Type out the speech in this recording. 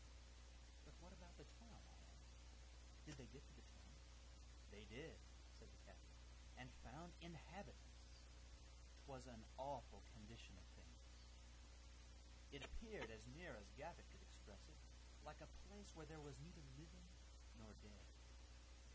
"But what about the town?" I asked. "Did they get to the town?" "They did," said the captain, "and found inhabitants; 'twas an awful condition of things. It appeared, as near as Gaffett could express it, like a place where there was neither living nor dead.